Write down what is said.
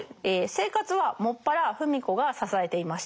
生活は専ら芙美子が支えていました。